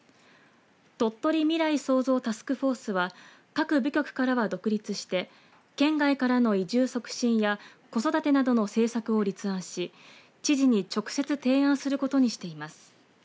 とっとり未来創造タスクフォースは各部局からは独立して県外からの移住促進や子育てなどの政策を立案し知事に直接提案することにしています。